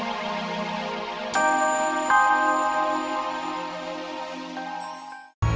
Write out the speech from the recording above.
aku nggak tahu gimana caranya